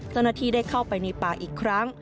เจ้าหน้าที่ได้เข้าไปในป่าอีกครั้ง